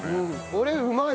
これうまい。